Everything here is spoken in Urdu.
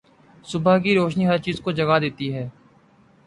صبح کی روشنی ہر چیز کو جگا دیتی ہے۔